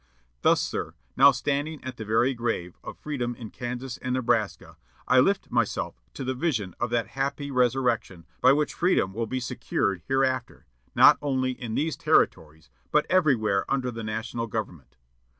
Thus, sir, now standing at the very grave of freedom in Kansas and Nebraska, I lift myself to the vision of that happy resurrection by which freedom will be secured hereafter, not only in these Territories but everywhere under the national government.